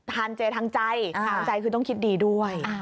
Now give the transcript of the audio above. ทานเจทางใจทางใจคือต้องคิดดีด้วย